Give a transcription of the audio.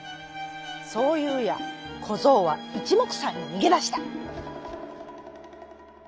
そういうやこぞうはいちもくさんににげだした。